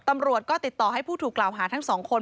ตำรวจก็ติดต่อให้ผู้ถูกกล่าวหาทั้งสองคน